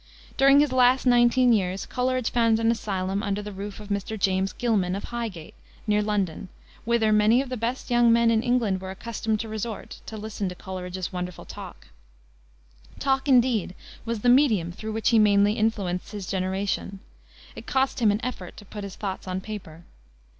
During his last nineteen years Coleridge found an asylum under the roof of Mr. James Gilman, of Highgate, near London, whither many of the best young men in England were accustomed to resort to listen to Coleridge's wonderful talk. Talk, indeed, was the medium through which he mainly influenced his generation. It cost him an effort to put his thoughts on paper.